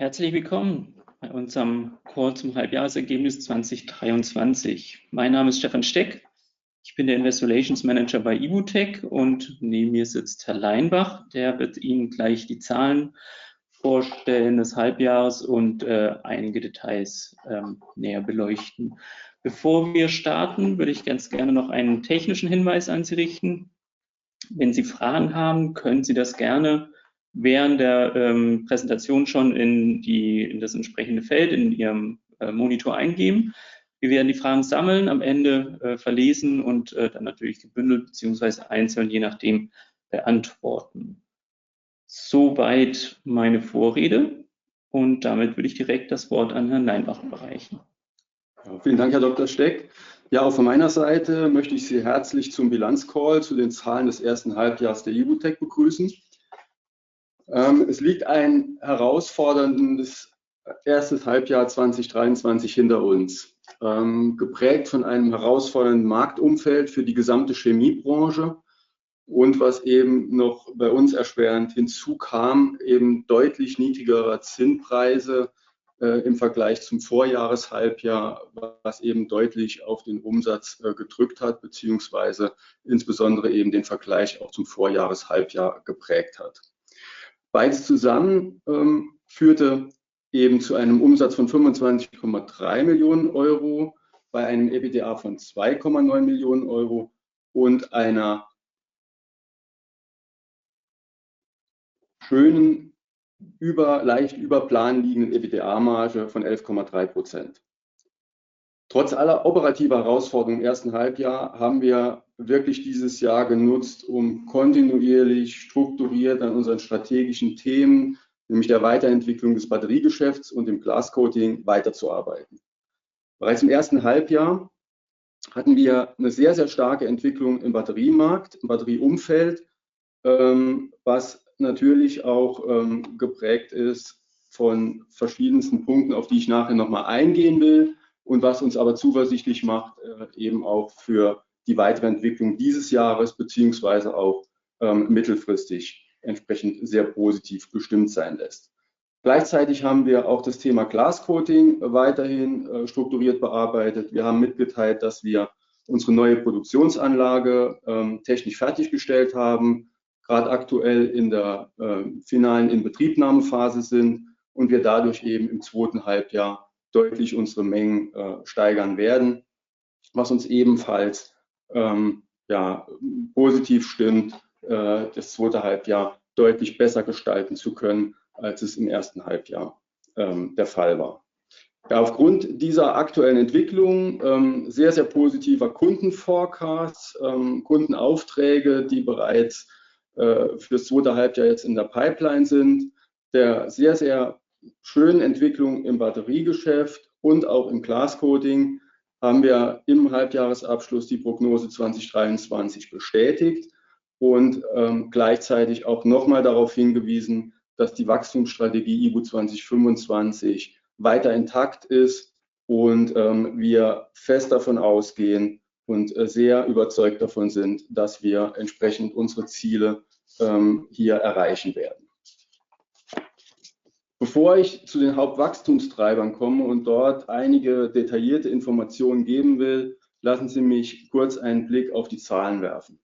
Herzlich willkommen bei unserem kurzen Halbjahresergebnis 2023. Mein Name ist Stefan Steck. Ich bin der Investor Relations Manager bei Ibutech und neben mir sitzt Herr Leinbach. Der wird Ihnen gleich die Zahlen vorstellen des Halbjahres und einige Details näher beleuchten. Bevor wir starten, würde ich ganz gerne noch einen technischen Hinweis an Sie richten: Wenn Sie Fragen haben, können Sie das gerne während der Präsentation schon in das entsprechende Feld in Ihrem Monitor eingeben. Wir werden die Fragen sammeln, am Ende verlesen und dann natürlich gebündelt beziehungsweise einzeln, je nachdem, beantworten. Soweit meine Vorrede und damit würde ich direkt das Wort an Herrn Leinbach überreichen. Vielen Dank, Herr Dr. Steck. Ja, auch von meiner Seite möchte ich Sie herzlich zum Bilanzcall zu den Zahlen des ersten Halbjahres der Ibutech begrüßen. Es liegt ein herausforderndes erstes Halbjahr 2023 hinter uns, geprägt von einem herausfordernden Marktumfeld für die gesamte Chemiebranche und was bei uns erschwerend hinzukam, deutlich niedrigere Zinnpreise im Vergleich zum Vorjahreshalbjahr, was deutlich auf den Umsatz gedrückt hat, beziehungsweise insbesondere den Vergleich auch zum Vorjahreshalbjahr geprägt hat. Beides zusammen führte zu einem Umsatz von €25,3 Millionen bei einem EBITDA von €2,9 Millionen und einer schönen, leicht über Plan liegenden EBITDA-Marge von 11,3%. Trotz aller operativer Herausforderungen im ersten Halbjahr haben wir wirklich dieses Jahr genutzt, um kontinuierlich strukturiert an unseren strategischen Themen, nämlich der Weiterentwicklung des Batteriegeschäfts und dem Glas Coating, weiterzuarbeiten. Bereits im ersten Halbjahr hatten wir eine sehr, sehr starke Entwicklung im Batteriemarkt, im Batterieumfeld, was natürlich auch geprägt ist von verschiedensten Punkten, auf die ich nachher noch mal eingehen will und was uns aber zuversichtlich macht, eben auch für die weitere Entwicklung dieses Jahres beziehungsweise auch mittelfristig entsprechend sehr positiv gestimmt sein lässt. Gleichzeitig haben wir auch das Thema Glas Coating weiterhin strukturiert bearbeitet. Wir haben mitgeteilt, dass wir unsere neue Produktionsanlage technisch fertiggestellt haben, gerade aktuell in der finalen Inbetriebnahmephase sind und wir dadurch eben im zweiten Halbjahr deutlich unsere Mengen steigern werden, was uns ebenfalls, ja, positiv stimmt, das zweite Halbjahr deutlich besser gestalten zu können, als es im ersten Halbjahr der Fall war. Aufgrund dieser aktuellen Entwicklungen, sehr, sehr positiver Kundenforecasts, Kundenaufträge, die bereits fürs zweite Halbjahr jetzt in der Pipeline sind, der sehr, sehr schönen Entwicklung im Batteriegeschäft und auch im Glas Coating, haben wir im Halbjahresabschluss die Prognose 2023 bestätigt und gleichzeitig auch noch mal darauf hingewiesen, dass die Wachstumsstrategie IBU 2025 weiter intakt ist und wir fest davon ausgehen und sehr überzeugt davon sind, dass wir entsprechend unsere Ziele hier erreichen werden. Bevor ich zu den Hauptwachstumstreibern komme und dort einige detaillierte Informationen geben will, lassen Sie mich kurz einen Blick auf die Zahlen werfen.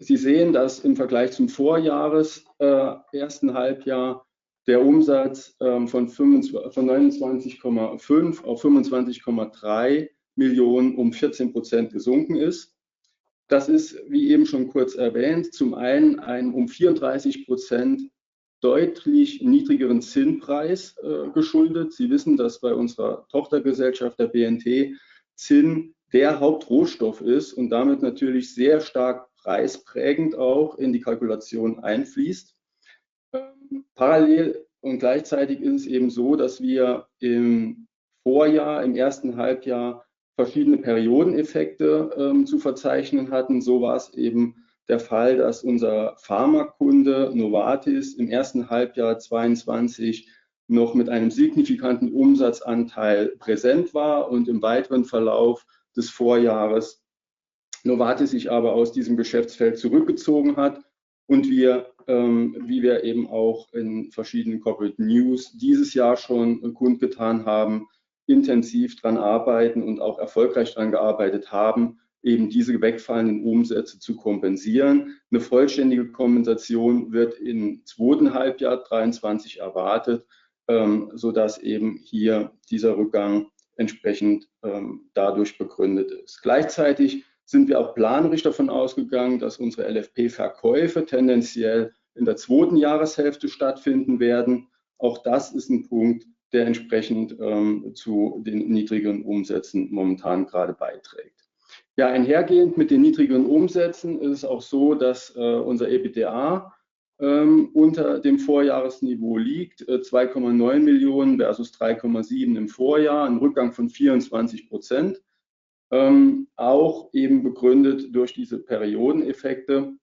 Sie sehen, dass im Vergleich zum Vorjahres ersten Halbjahr der Umsatz von 29,5 auf 25,3 Millionen um 14% gesunken ist. Das ist, wie eben schon kurz erwähnt, zum einen um 34% deutlich niedrigeren Zinnpreis geschuldet. Sie wissen, dass bei unserer Tochtergesellschaft, der BNT, Zinn der Hauptrohstoff ist und damit natürlich sehr stark preisprägend auch in die Kalkulation einfließt. Parallel und gleichzeitig ist es eben so, dass wir im Vorjahr, im ersten Halbjahr, verschiedene Periodeneffekte zu verzeichnen hatten. So war es eben der Fall, dass unser Pharmakunde, Novartis, im ersten Halbjahr 2022 noch mit einem signifikanten Umsatzanteil präsent war und im weiteren Verlauf des Vorjahres Novartis sich aber aus diesem Geschäftsfeld zurückgezogen hat und wir, wie wir eben auch in verschiedenen Corporate News dieses Jahr schon kundgetan haben, intensiv dran arbeiten und auch erfolgreich dran gearbeitet haben, eben diese wegfallenden Umsätze zu kompensieren. Eine vollständige Kompensation wird im zweiten Halbjahr 2023 erwartet, sodass eben hier dieser Rückgang entsprechend dadurch begründet ist. Gleichzeitig sind wir auch planmäßig davon ausgegangen, dass unsere LFP-Verkäufe tendenziell in der zweiten Jahreshälfte stattfinden werden. Auch das ist ein Punkt, der entsprechend zu den niedrigeren Umsätzen momentan gerade beiträgt. Einhergehend mit den niedrigeren Umsätzen ist es auch so, dass unser EBITDA unter dem Vorjahresniveau liegt. €2,9 Millionen versus €3,7 Millionen im Vorjahr, ein Rückgang von 24%, auch eben begründet durch diese Periodeneffekte,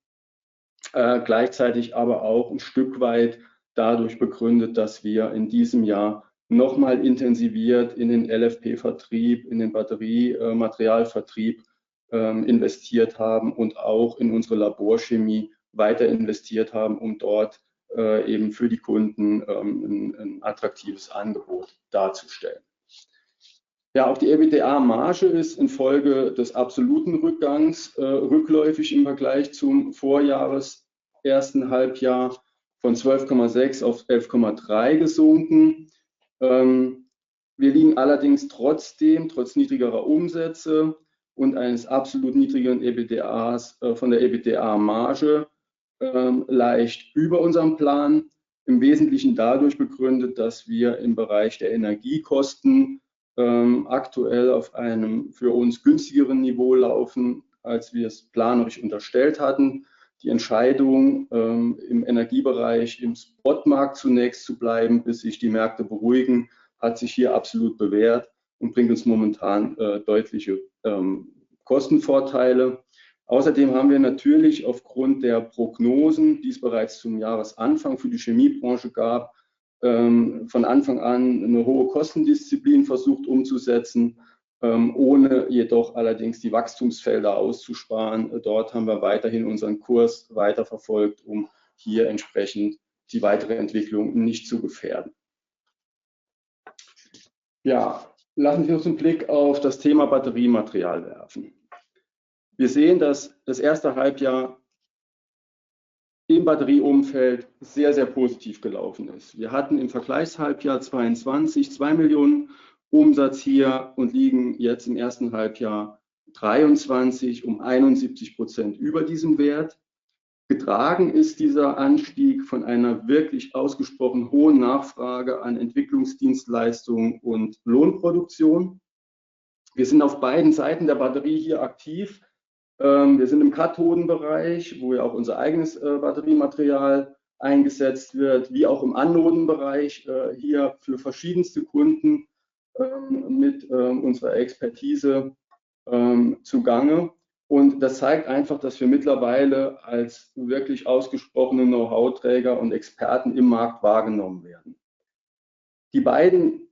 gleichzeitig aber auch ein Stück weit dadurch begründet, dass wir in diesem Jahr noch mal intensiviert in den LFP-Vertrieb, in den Batteriematerialvertrieb investiert haben und auch in unsere Laborchemie weiter investiert haben, um dort eben für die Kunden ein attraktives Angebot darzustellen. Auch die EBITDA-Marge ist infolge des absoluten Rückgangs rückläufig im Vergleich zum Vorjahres ersten Halbjahr von 12,6% auf 11,3% gesunken. Wir liegen allerdings trotzdem, trotz niedrigerer Umsätze und eines absolut niedrigeren EBITDAs, von der EBITDA-Marge leicht über unserem Plan. Im Wesentlichen dadurch begründet, dass wir im Bereich der Energiekosten aktuell auf einem für uns günstigeren Niveau laufen, als wir es planmäßig unterstellt hatten. Die Entscheidung im Energiebereich, im Spotmarkt zunächst zu bleiben, bis sich die Märkte beruhigen, hat sich hier absolut bewährt und bringt uns momentan deutliche Kostenvorteile. Außerdem haben wir natürlich aufgrund der Prognosen, die es bereits zum Jahresanfang für die Chemiebranche gab, von Anfang an eine hohe Kostendisziplin versucht umzusetzen, ohne jedoch allerdings die Wachstumsfelder auszusparen. Dort haben wir weiterhin unseren Kurs weiter verfolgt, um hier entsprechend die weitere Entwicklung nicht zu gefährden. Lassen Sie uns einen Blick auf das Thema Batteriematerial werfen. Wir sehen, dass das erste Halbjahr im Batterieumfeld sehr, sehr positiv gelaufen ist. Wir hatten im Vergleichshalbjahr 22 €2 Millionen Umsatz hier und liegen jetzt im ersten Halbjahr 23 um 71% über diesem Wert. Getragen ist dieser Anstieg von einer wirklich ausgesprochen hohen Nachfrage an Entwicklungsdienstleistungen und Lohnproduktion. Wir sind auf beiden Seiten der Batterie hier aktiv. Wir sind im Kathodenbereich, wo ja auch unser eigenes Batteriematerial eingesetzt wird, wie auch im Anodenbereich hier für verschiedenste Kunden mit unserer Expertise zu Gange. Das zeigt einfach, dass wir mittlerweile als wirklich ausgesprochene Know-how-Träger und Experten im Markt wahrgenommen werden. Die beiden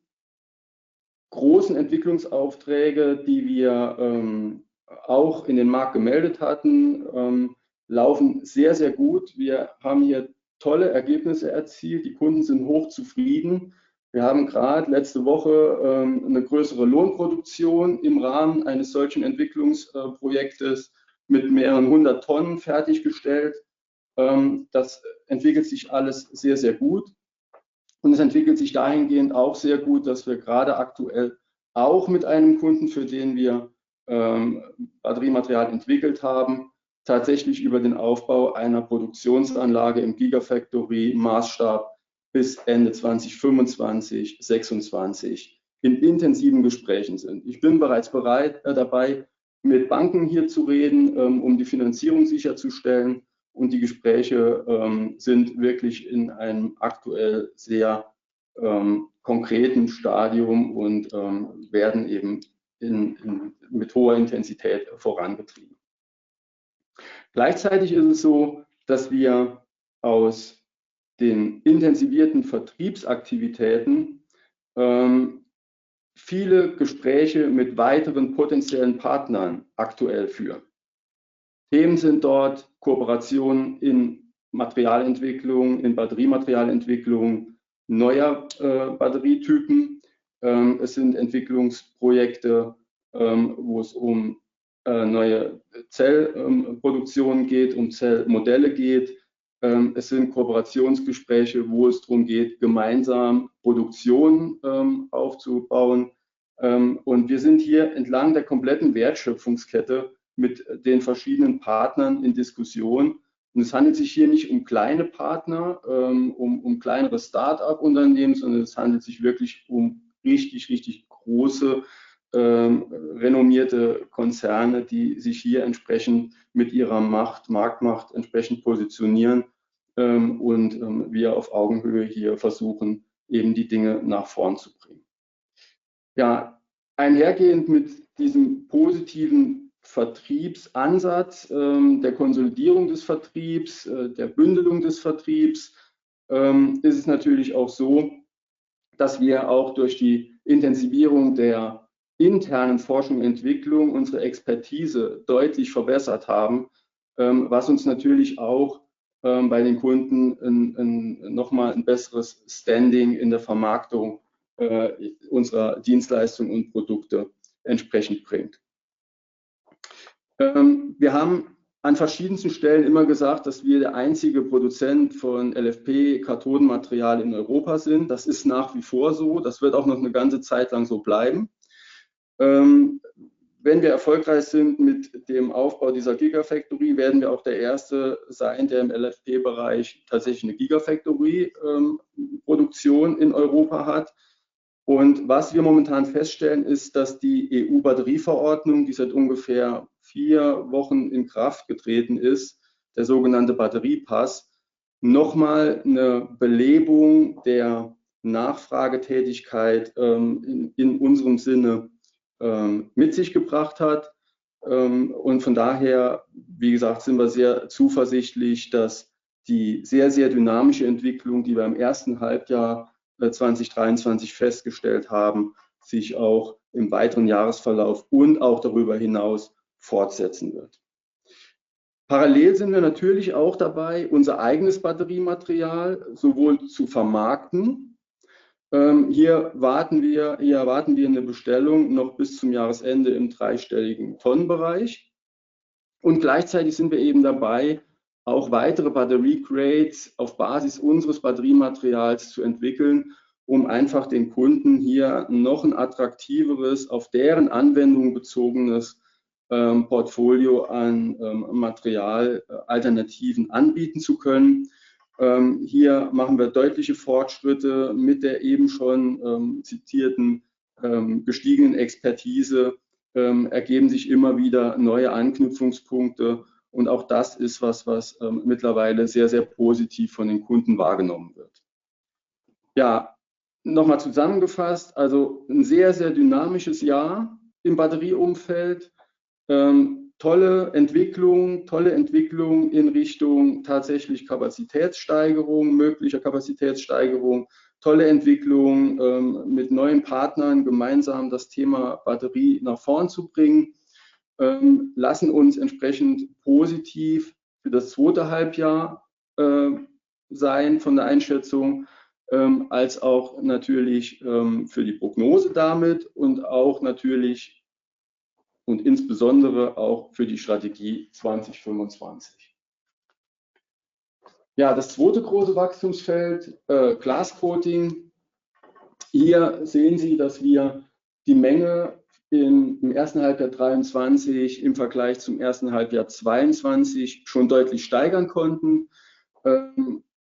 großen Entwicklungsaufträge, die wir auch in den Markt gemeldet hatten, laufen sehr, sehr gut. Wir haben hier tolle Ergebnisse erzielt. Die Kunden sind hochzufrieden. Wir haben gerade letzte Woche eine größere Lohnproduktion im Rahmen eines solchen Entwicklungsprojektes mit mehreren hundert Tonnen fertiggestellt. Das entwickelt sich alles sehr, sehr gut und es entwickelt sich dahingehend auch sehr gut, dass wir gerade aktuell auch mit einem Kunden, für den wir Batteriematerial entwickelt haben, tatsächlich über den Aufbau einer Produktionsanlage im Gigafactory-Maßstab bis Ende 2025, 26 in intensiven Gesprächen sind. Ich bin bereits bereit dabei, mit Banken hier zu reden, um die Finanzierung sicherzustellen und die Gespräche sind wirklich in einem aktuell sehr konkreten Stadium und werden eben in mit hoher Intensität vorangetrieben. Gleichzeitig ist es so, dass wir aus den intensivierten Vertriebsaktivitäten viele Gespräche mit weiteren potenziellen Partnern aktuell führen. Themen sind dort Kooperationen in Materialentwicklung, in Batteriematerialentwicklung, neuer Batterietypen. Es sind Entwicklungsprojekte, wo es um neue Zellproduktionen geht, um Zellmodelle geht. Es sind Kooperationsgespräche, wo es darum geht, gemeinsam Produktionen aufzubauen. Und wir sind hier entlang der kompletten Wertschöpfungskette mit den verschiedenen Partnern in Diskussion. Und es handelt sich hier nicht um kleine Partner, um kleinere Start-up-Unternehmen, sondern es handelt sich wirklich um richtig, richtig große, renommierte Konzerne, die sich hier entsprechend mit ihrer Macht, Marktmacht entsprechend positionieren, und wir auf Augenhöhe hier versuchen, eben die Dinge nach vorn zu bringen. Ja, einhergehend mit diesem positiven Vertriebsansatz, der Konsolidierung des Vertriebs, der Bündelung des Vertriebs, ist es natürlich auch so, dass wir auch durch die Intensivierung der internen Forschung und Entwicklung unsere Expertise deutlich verbessert haben, was uns natürlich auch bei den Kunden ein noch mal ein besseres Standing in der Vermarktung unserer Dienstleistungen und Produkte entsprechend bringt. Wir haben an verschiedensten Stellen immer gesagt, dass wir der einzige Produzent von LFP-Kathodenmaterial in Europa sind. Das ist nach wie vor so. Das wird auch noch eine ganze Zeit lang so bleiben. Wenn wir erfolgreich sind mit dem Aufbau dieser Gigafactory, werden wir auch der Erste sein, der im LFP-Bereich tatsächlich eine Gigafactory-Produktion in Europa hat. Was wir momentan feststellen, ist, dass die EU-Batterieverordnung, die seit ungefähr vier Wochen in Kraft getreten ist, der sogenannte Batteriepass, noch mal eine Belebung der Nachfragetätigkeit in unserem Sinne mit sich gebracht hat. Von daher, wie gesagt, sind wir sehr zuversichtlich, dass die sehr, sehr dynamische Entwicklung, die wir im ersten Halbjahr 2023 festgestellt haben, sich auch im weiteren Jahresverlauf und auch darüber hinaus fortsetzen wird. Parallel sind wir natürlich auch dabei, unser eigenes Batteriematerial sowohl zu vermarkten. Hier erwarten wir eine Bestellung noch bis zum Jahresende im dreistelligen Tonnenbereich. Gleichzeitig sind wir dabei, auch weitere Battery Grades auf Basis unseres Batteriematerials zu entwickeln, um einfach den Kunden hier noch ein attraktiveres, auf deren Anwendung bezogenes Portfolio an Materialalternativen anbieten zu können. Hier machen wir deutliche Fortschritte. Mit der schon zitierten gestiegenen Expertise ergeben sich immer wieder neue Anknüpfungspunkte und auch das ist was, was mittlerweile sehr, sehr positiv von den Kunden wahrgenommen wird. Noch mal zusammengefasst: Also ein sehr, sehr dynamisches Jahr im Batterieumfeld. Tolle Entwicklungen, tolle Entwicklungen in Richtung tatsächlich Kapazitätssteigerung, möglicher Kapazitätssteigerung. Tolle Entwicklungen mit neuen Partnern, gemeinsam das Thema Batterie nach vorn zu bringen, lassen uns entsprechend positiv für das zweite Halbjahr sein, von der Einschätzung, als auch natürlich für die Prognose damit und auch natürlich und insbesondere auch für die Strategie 2025. Ja, das zweite große Wachstumsfeld, Glas Coating. Hier sehen Sie, dass wir die Menge im ersten Halbjahr 2023 im Vergleich zum ersten Halbjahr 2022 schon deutlich steigern konnten,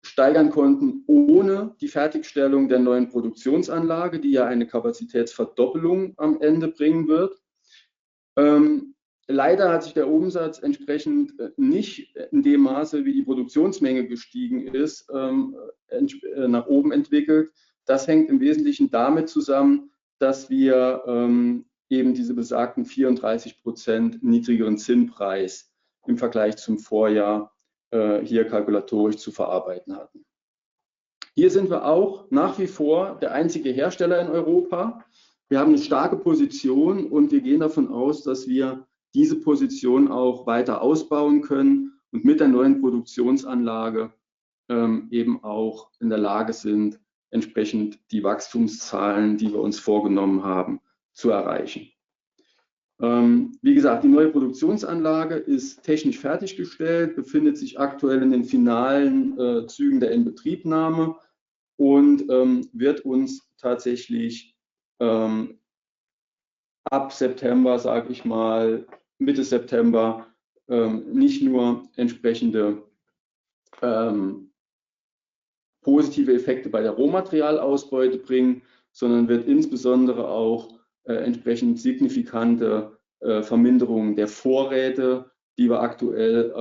steigern konnten ohne die Fertigstellung der neuen Produktionsanlage, die ja eine Kapazitätsverdoppelung am Ende bringen wird. Leider hat sich der Umsatz entsprechend nicht in dem Maße, wie die Produktionsmenge gestiegen ist, nach oben entwickelt. Das hängt im Wesentlichen damit zusammen, dass wir eben diese besagten 34% niedrigeren Zinnpreis im Vergleich zum Vorjahr hier kalkulatorisch zu verarbeiten hatten. Hier sind wir auch nach wie vor der einzige Hersteller in Europa. Wir haben eine starke Position und wir gehen davon aus, dass wir diese Position auch weiter ausbauen können und mit der neuen Produktionsanlage eben auch in der Lage sind, entsprechend die Wachstumszahlen, die wir uns vorgenommen haben, zu erreichen. Wie gesagt, die neue Produktionsanlage ist technisch fertiggestellt, befindet sich aktuell in den finalen Zügen der Inbetriebnahme und wird uns tatsächlich ab September, sage ich mal, Mitte September, nicht nur entsprechende positive Effekte bei der Rohmaterialausbeute bringen, sondern wird insbesondere auch entsprechend signifikante Verminderung der Vorräte, die wir aktuell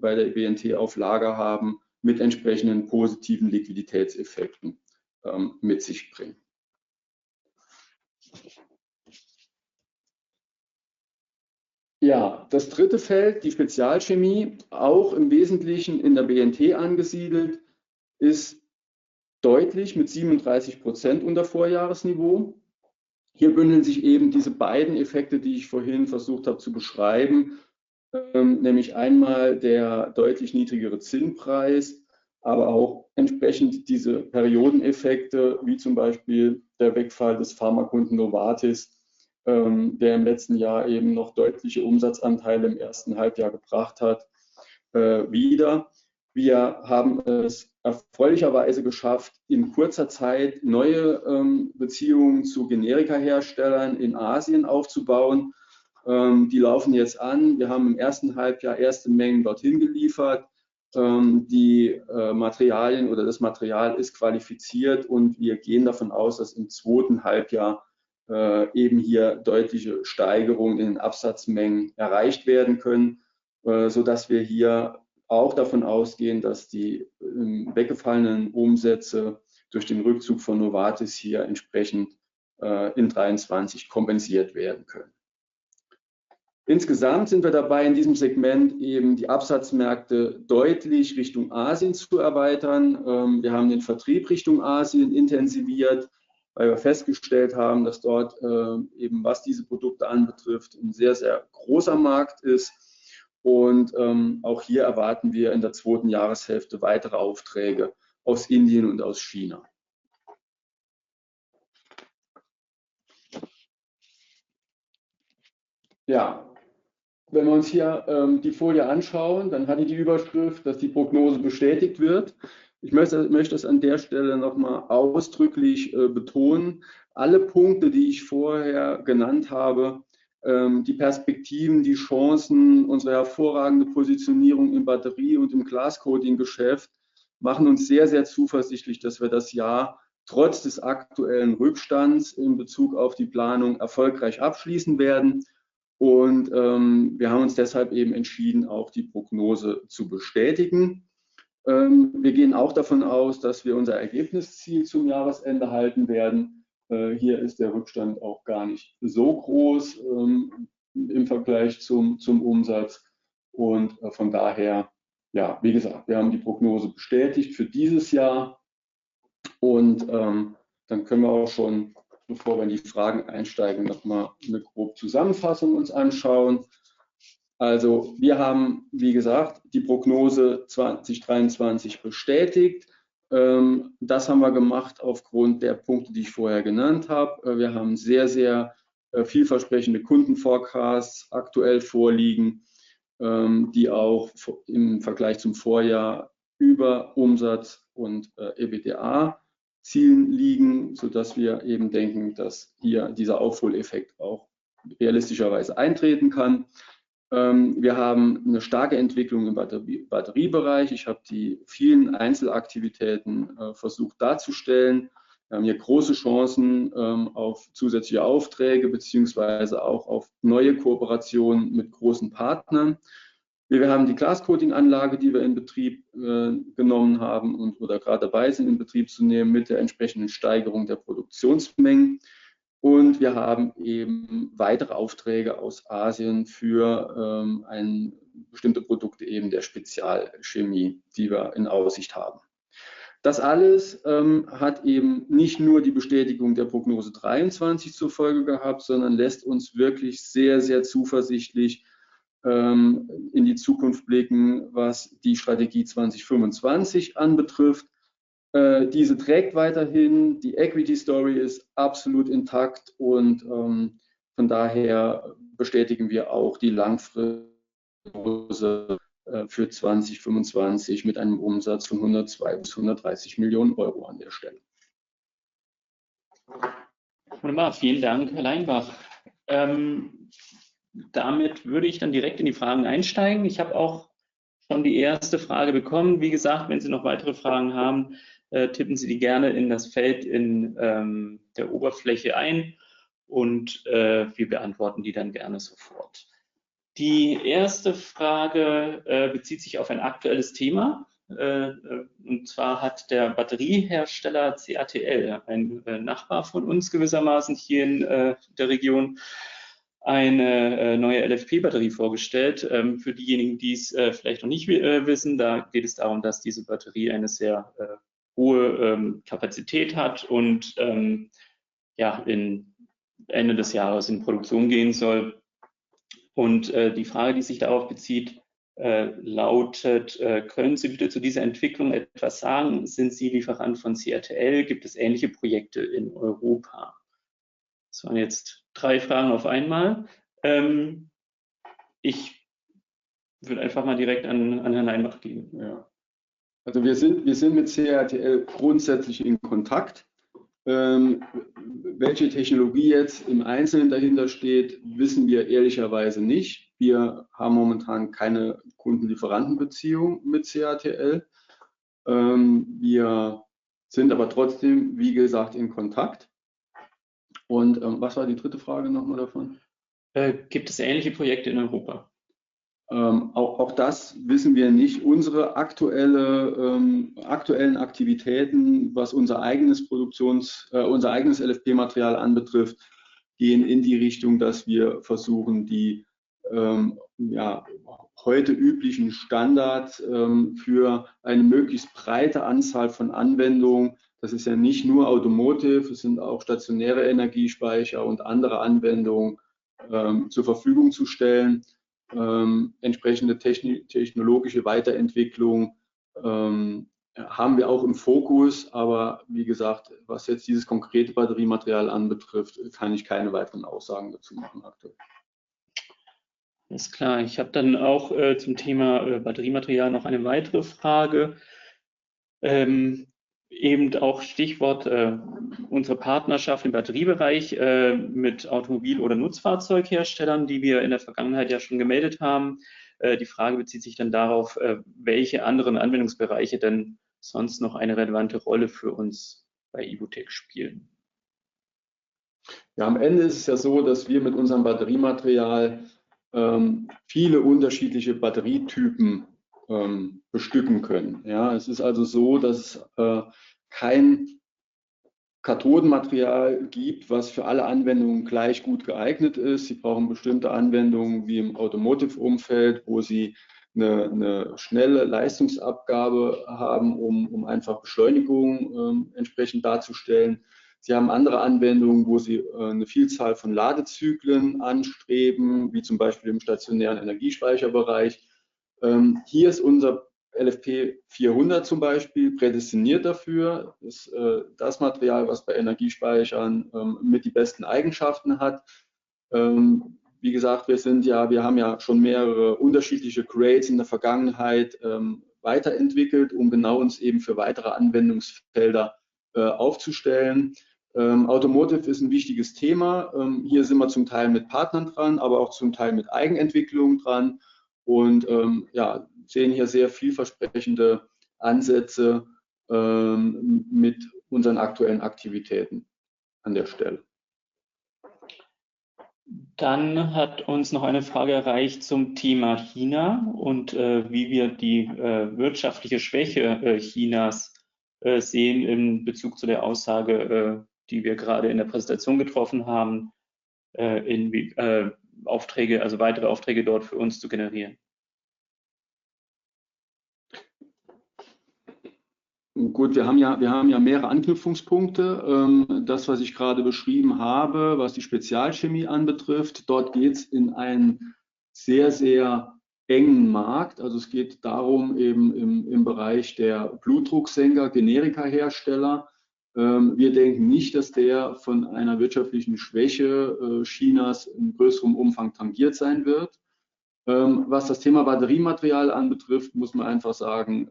bei der BNT auf Lager haben, mit entsprechenden positiven Liquiditätseffekten mit sich bringen. Das dritte Feld, die Spezialchemie, auch im Wesentlichen in der BNT angesiedelt, ist deutlich mit 37% unter Vorjahresniveau. Hier bündeln sich eben diese beiden Effekte, die ich vorhin versucht habe zu beschreiben, nämlich einmal der deutlich niedrigere Zinnpreis, aber auch entsprechend diese Periodeneffekte, wie zum Beispiel der Wegfall des Pharmakunden Novartis, der im letzten Jahr eben noch deutliche Umsatzanteile im ersten Halbjahr gebracht hat, wieder. Wir haben es erfreulicherweise geschafft, in kurzer Zeit neue Beziehungen zu Generikaherstellern in Asien aufzubauen. Die laufen jetzt an, wir haben im ersten Halbjahr erste Mengen dorthin geliefert. Die Materialien oder das Material ist qualifiziert und wir gehen davon aus, dass im zweiten Halbjahr eben hier deutliche Steigerungen in den Absatzmengen erreicht werden können, sodass wir hier auch davon ausgehen, dass die weggefallenen Umsätze durch den Rückzug von Novartis hier entsprechend in dreiundzwanzig kompensiert werden können. Insgesamt sind wir dabei, in diesem Segment eben die Absatzmärkte deutlich Richtung Asien zu erweitern. Wir haben den Vertrieb Richtung Asien intensiviert, weil wir festgestellt haben, dass dort, eben, was diese Produkte anbetrifft, ein sehr, sehr großer Markt ist. Auch hier erwarten wir in der zweiten Jahreshälfte weitere Aufträge aus Indien und aus China. Ja, wenn wir uns hier die Folie anschauen, dann hatte die Überschrift, dass die Prognose bestätigt wird. Ich möchte das an der Stelle noch mal ausdrücklich betonen: Alle Punkte, die ich vorher genannt habe, die Perspektiven, die Chancen, unsere hervorragende Positionierung in Batterie- und im Glas-Coating-Geschäft, machen uns sehr, sehr zuversichtlich, dass wir das Jahr trotz des aktuellen Rückstands in Bezug auf die Planung erfolgreich abschließen werden. Wir haben uns deshalb eben entschieden, auch die Prognose zu bestätigen. Wir gehen auch davon aus, dass wir unser Ergebnisziel zum Jahresende halten werden. Hier ist der Rückstand auch gar nicht so groß im Vergleich zum Umsatz und von daher, ja, wie gesagt, wir haben die Prognose bestätigt für dieses Jahr. Dann können wir auch schon, bevor wir in die Fragen einsteigen, noch mal eine grobe Zusammenfassung uns anschauen. Wir haben, wie gesagt, die Prognose 2023 bestätigt. Das haben wir gemacht aufgrund der Punkte, die ich vorher genannt habe. Wir haben sehr, sehr vielversprechende Kundenforecasts aktuell vorliegen, die auch im Vergleich zum Vorjahr über Umsatz- und EBITDA-Zielen liegen, sodass wir eben denken, dass hier dieser Aufholeffekt auch realistischerweise eintreten kann. Wir haben eine starke Entwicklung im Batteriebereich. Ich habe die vielen Einzelaktivitäten versucht darzustellen. Wir haben hier große Chancen auf zusätzliche Aufträge beziehungsweise auch auf neue Kooperationen mit großen Partnern. Wir haben die Glascoating-Anlage, die wir in Betrieb genommen haben und oder gerade dabei sind, in Betrieb zu nehmen, mit der entsprechenden Steigerung der Produktionsmengen. Wir haben eben weitere Aufträge aus Asien für bestimmte Produkte eben der Spezialchemie, die wir in Aussicht haben. Das alles hat eben nicht nur die Bestätigung der Prognose 2023 zur Folge gehabt, sondern lässt uns wirklich sehr, sehr zuversichtlich in die Zukunft blicken, was die Strategie 2025 anbetrifft. Diese trägt weiterhin, die Equity Story ist absolut intakt und von daher bestätigen wir auch die langfristige Prognose für 2025 mit einem Umsatz von €102 bis €130 Millionen an der Stelle. Wunderbar, vielen Dank, Herr Leinbach. Damit würde ich dann direkt in die Fragen einsteigen. Ich habe auch schon die erste Frage bekommen. Wie gesagt, wenn Sie noch weitere Fragen haben, tippen Sie die gerne in das Feld in der Oberfläche ein und wir beantworten die dann gerne sofort. Die erste Frage bezieht sich auf ein aktuelles Thema. Und zwar hat der Batteriehersteller CATL, ein Nachbar von uns, gewissermaßen hier in der Region, eine neue LFP-Batterie vorgestellt. Für diejenigen, die es vielleicht noch nicht wissen: Da geht es darum, dass diese Batterie eine sehr hohe Kapazität hat und ja, Ende des Jahres in Produktion gehen soll. Und die Frage, die sich darauf bezieht, lautet: Können Sie bitte zu dieser Entwicklung etwas sagen? Sind Sie Lieferant von CATL? Gibt es ähnliche Projekte in Europa? Das waren jetzt drei Fragen auf einmal. Ich würde einfach mal direkt an Herrn Leinbach geben. Ja, also wir sind mit CATL grundsätzlich in Kontakt. Welche Technologie jetzt im Einzelnen dahinter steht, wissen wir ehrlicherweise nicht. Wir haben momentan keine Kunden-Lieferanten-Beziehung mit CATL. Wir sind aber trotzdem, wie gesagt, in Kontakt. Und was war die dritte Frage noch mal davon? Gibt es ähnliche Projekte in Europa? Auch das wissen wir nicht. Unsere aktuellen Aktivitäten, was unser eigenes LFP-Material anbetrifft, gehen in die Richtung, dass wir versuchen, die heute üblichen Standards für eine möglichst breite Anzahl von Anwendungen, das ist ja nicht nur Automotive, es sind auch stationäre Energiespeicher und andere Anwendungen, zur Verfügung zu stellen. Entsprechende technologische Weiterentwicklungen haben wir auch im Fokus. Aber wie gesagt, was jetzt dieses konkrete Batteriematerial anbetrifft, kann ich keine weiteren Aussagen dazu machen aktuell. Alles klar. Ich habe dann auch zum Thema Batteriematerial noch eine weitere Frage. Eben auch Stichwort: unsere Partnerschaft im Batteriebereich mit Automobil- oder Nutzfahrzeugherstellern, die wir in der Vergangenheit ja schon gemeldet haben. Die Frage bezieht sich dann darauf, welche anderen Anwendungsbereiche denn sonst noch eine relevante Rolle für uns bei Evotec spielen? Am Ende ist es so, dass wir mit unserem Batteriematerial viele unterschiedliche Batterietypen bestücken können. Es ist also so, dass es kein Kathodenmaterial gibt, was für alle Anwendungen gleich gut geeignet ist. Sie brauchen bestimmte Anwendungen, wie im Automotive Umfeld, wo Sie eine schnelle Leistungsabgabe haben, um einfach Beschleunigung entsprechend darzustellen. Sie haben andere Anwendungen, wo Sie eine Vielzahl von Ladezyklen anstreben, wie zum Beispiel im stationären Energiespeicherbereich. Hier ist unser LFP 400 zum Beispiel prädestiniert dafür. Ist das Material, was bei Energiespeichern mit die besten Eigenschaften hat. Wie gesagt, wir haben schon mehrere unterschiedliche Grades in der Vergangenheit weiterentwickelt, um genau uns eben für weitere Anwendungsfelder aufzustellen. Automotive ist ein wichtiges Thema. Hier sind wir zum Teil mit Partnern dran, aber auch zum Teil mit Eigenentwicklungen dran und, ja, sehen hier sehr vielversprechende Ansätze mit unseren aktuellen Aktivitäten an der Stelle. Dann hat uns noch eine Frage erreicht zum Thema China und wie wir die wirtschaftliche Schwäche Chinas sehen in Bezug zu der Aussage, die wir gerade in der Präsentation getroffen haben, in Aufträge, also weitere Aufträge dort für uns zu generieren? Gut, wir haben ja mehrere Anknüpfungspunkte. Das, was ich gerade beschrieben habe, was die Spezialchemie anbetrifft, dort geht's in einen sehr, sehr engen Markt. Also es geht darum, eben im Bereich der Blutdrucksenker, Generika-Hersteller. Wir denken nicht, dass der von einer wirtschaftlichen Schwäche Chinas in größerem Umfang tangiert sein wird. Was das Thema Batteriematerial anbetrifft, muss man einfach sagen: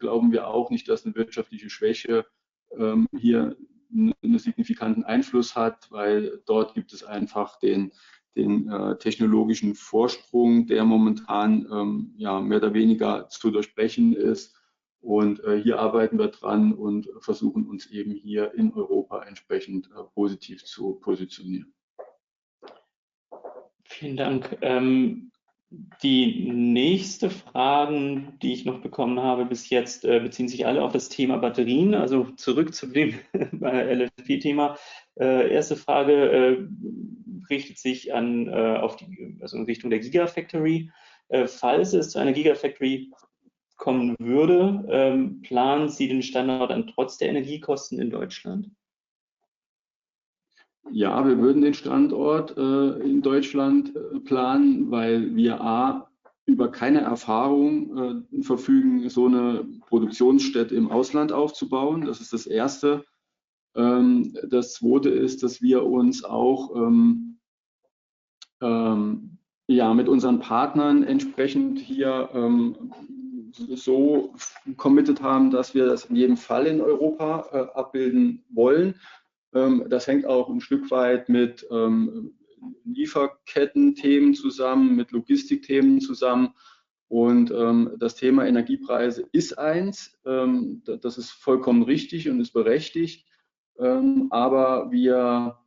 Glauben wir auch nicht, dass eine wirtschaftliche Schwäche hier einen signifikanten Einfluss hat, weil dort gibt es einfach den technologischen Vorsprung, der momentan ja mehr oder weniger zu durchbrechen ist. Und hier arbeiten wir dran und versuchen, uns eben hier in Europa entsprechend positiv zu positionieren. Vielen Dank! Die nächste Fragen, die ich noch bekommen habe bis jetzt, beziehen sich alle auf das Thema Batterien. Also zurück zu dem LFP-Thema. Erste Frage richtet sich auf die, also in Richtung der Gigafactory: Falls es zu einer Gigafactory kommen würde, planen Sie den Standort dann trotz der Energiekosten in Deutschland? Ja, wir würden den Standort in Deutschland planen, weil wir a) über keine Erfahrung verfügen, so eine Produktionsstätte im Ausland aufzubauen. Das ist das Erste. Das Zweite ist, dass wir uns auch mit unseren Partnern entsprechend hier so committet haben, dass wir das in jedem Fall in Europa abbilden wollen. Das hängt auch ein Stück weit mit Lieferkettenthemen zusammen, mit Logistikthemen zusammen. Und das Thema Energiepreise ist eins, das ist vollkommen richtig und ist berechtigt. Aber wir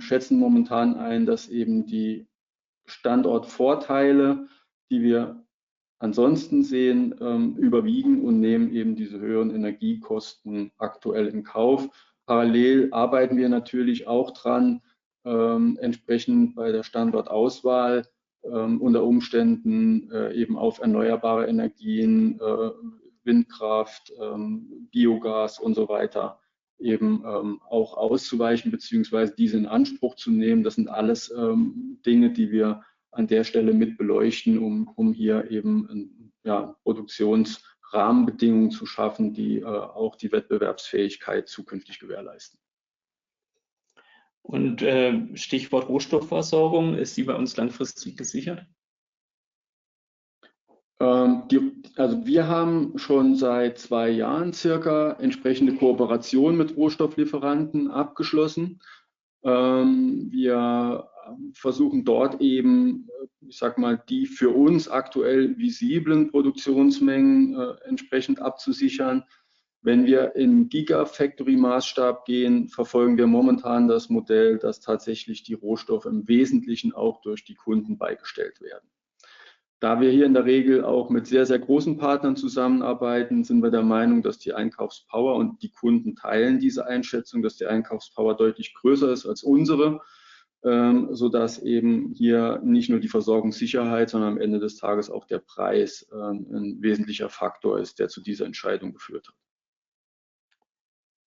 schätzen momentan ein, dass eben die Standortvorteile, die wir ansonsten sehen, überwiegen und nehmen eben diese höheren Energiekosten aktuell in Kauf. Parallel arbeiten wir natürlich auch dran, entsprechend bei der Standortauswahl unter Umständen eben auf erneuerbare Energien, Windkraft, Biogas und so weiter, eben auch auszuweichen beziehungsweise diese in Anspruch zu nehmen. Das sind alles Dinge, die wir an der Stelle mit beleuchten, um hier eben ja Produktionsrahmenbedingungen zu schaffen, die auch die Wettbewerbsfähigkeit zukünftig gewährleisten. Stichwort Rohstoffversorgung: Ist die bei uns langfristig gesichert? Also wir haben schon seit zwei Jahren circa entsprechende Kooperationen mit Rohstofflieferanten abgeschlossen. Wir versuchen dort eben, ich sag mal, die für uns aktuell visibles Produktionsmengen entsprechend abzusichern. Wenn wir in Gigafactory-Maßstab gehen, verfolgen wir momentan das Modell, dass tatsächlich die Rohstoffe im Wesentlichen auch durch die Kunden beigestellt werden. Da wir hier in der Regel auch mit sehr, sehr großen Partnern zusammenarbeiten, sind wir der Meinung, dass die Einkaufspower und die Kunden teilen diese Einschätzung, dass die Einkaufspower deutlich größer ist als unsere, sodass eben hier nicht nur die Versorgungssicherheit, sondern am Ende des Tages auch der Preis ein wesentlicher Faktor ist, der zu dieser Entscheidung geführt hat.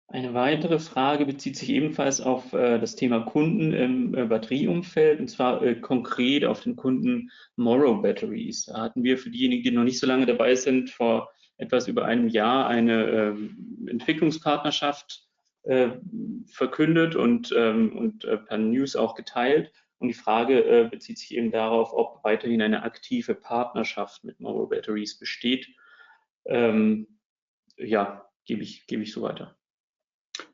Eine weitere Frage bezieht sich ebenfalls auf das Thema Kunden im Batterieumfeld, und zwar konkret auf den Kunden Morrow Batteries. Da hatten wir für diejenigen, die noch nicht so lange dabei sind, vor etwas über einem Jahr eine Entwicklungspartnerschaft verkündet und per News auch geteilt. Und die Frage bezieht sich eben darauf, ob weiterhin eine aktive Partnerschaft mit Morrow Batteries besteht. Ja, gebe ich so weiter.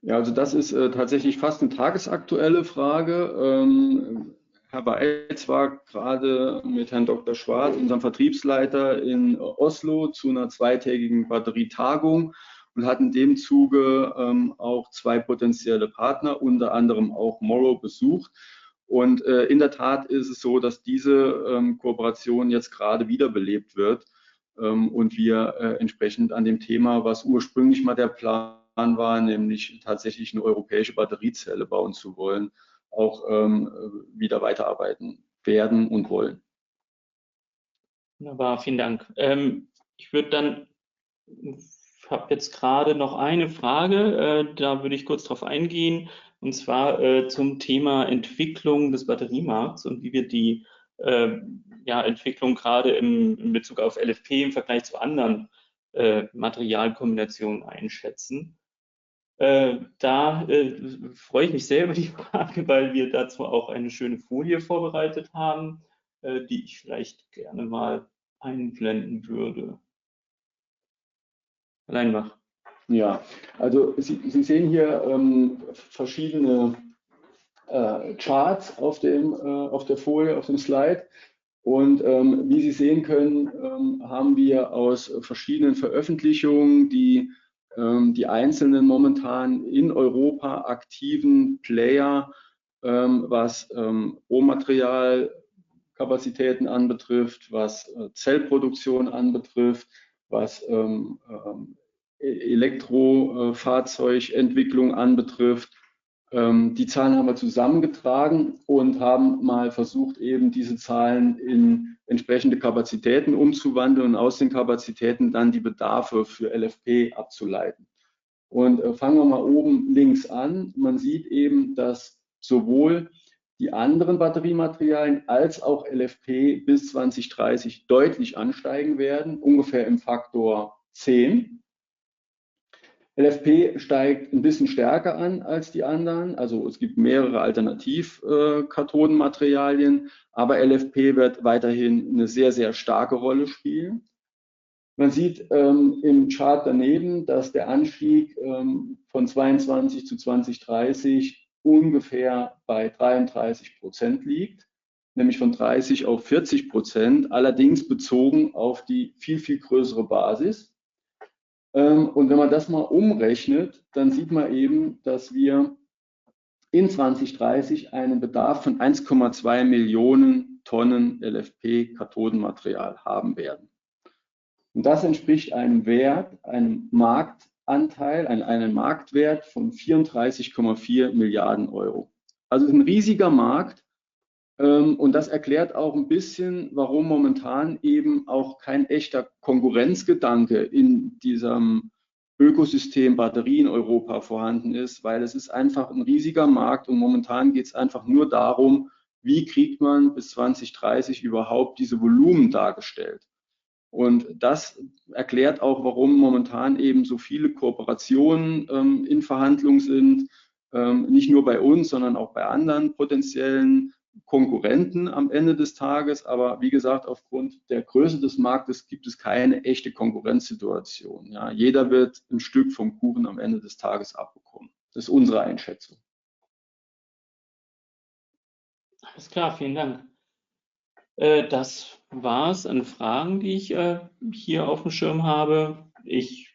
Ja, also das ist tatsächlich fast eine tagesaktuelle Frage. Herr war gerade mit Herrn Dr. Schwarz, unserem Vertriebsleiter, in Oslo zu einer zweitägigen Batterietagung und hat in dem Zuge auch zwei potenzielle Partner, unter anderem auch Morrow, besucht. Und in der Tat ist es so, dass diese Kooperation jetzt gerade wiederbelebt wird und wir entsprechend an dem Thema, was ursprünglich mal der Plan war, nämlich tatsächlich eine europäische Batteriezelle bauen zu wollen, auch wieder weiterarbeiten werden und wollen. Wunderbar, vielen Dank! Ich würde dann, hab jetzt gerade noch eine Frage, da würde ich kurz drauf eingehen. Und zwar zum Thema Entwicklung des Batteriemarkts und wie wir die Entwicklung gerade in Bezug auf LFP im Vergleich zu anderen Materialkombinationen einschätzen. Da freue ich mich sehr über die Frage, weil wir dazu auch eine schöne Folie vorbereitet haben, die ich vielleicht gerne mal einblenden würde. Leinbach. Sie sehen hier verschiedene Charts auf dem Slide. Wie Sie sehen können, haben wir aus verschiedenen Veröffentlichungen die einzelnen momentan in Europa aktiven Player, was Rohmaterial-Kapazitäten anbetrifft, was Zellproduktion anbetrifft, was Elektro-Fahrzeugentwicklung anbetrifft. Die Zahlen haben wir zusammengetragen und haben mal versucht, eben diese Zahlen in entsprechende Kapazitäten umzuwandeln und aus den Kapazitäten dann die Bedarfe für LFP abzuleiten. Fangen wir mal oben links an: Man sieht eben, dass sowohl die anderen Batteriematerialien als auch LFP bis 2030 deutlich ansteigen werden, ungefähr im Faktor zehn. LFP steigt ein bisschen stärker an als die anderen. Es gibt mehrere Alternativ-Kathodenmaterialien, aber LFP wird weiterhin eine sehr, sehr starke Rolle spielen. Man sieht im Chart daneben, dass der Anstieg von 2022 zu 2030 ungefähr bei 33% liegt, nämlich von 30% auf 40%, allerdings bezogen auf die viel, viel größere Basis. Und wenn man das mal umrechnet, dann sieht man eben, dass wir in 2030 einen Bedarf von 1,2 Millionen Tonnen LFP-Kathodenmaterial haben werden. Und das entspricht einem Wert, einem Marktanteil, einem Marktwert von €34,4 Milliarden. Also ein riesiger Markt, und das erklärt auch ein bisschen, warum momentan eben auch kein echter Konkurrenzgedanke in diesem Ökosystem Batterien in Europa vorhanden ist, weil es ist einfach ein riesiger Markt und momentan geht es einfach nur darum, wie kriegt man bis 2030 überhaupt diese Volumen dargestellt? Und das erklärt auch, warum momentan eben so viele Kooperationen in Verhandlung sind, nicht nur bei uns, sondern auch bei anderen potenziellen Konkurrenten am Ende des Tages. Aber wie gesagt, aufgrund der Größe des Marktes gibt es keine echte Konkurrenzsituation, ja. Jeder wird ein Stück vom Kuchen am Ende des Tages abbekommen. Das ist unsere Einschätzung. Alles klar, vielen Dank. Das war's an Fragen, die ich hier auf dem Schirm habe. Ich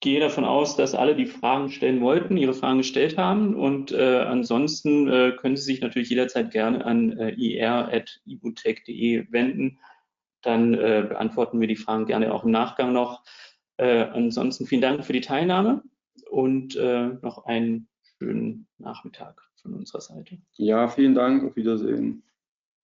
gehe davon aus, dass alle, die Fragen stellen wollten, ihre Fragen gestellt haben und ansonsten können Sie sich natürlich jederzeit gerne an ir@ibutech.de wenden. Dann beantworten wir die Fragen gerne auch im Nachgang noch. Ansonsten vielen Dank für die Teilnahme und noch einen schönen Nachmittag von unserer Seite. Ja, vielen Dank und auf Wiedersehen!